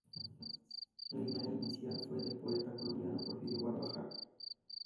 La idea inicial fue del poeta colombiano Porfirio Barba Jacob.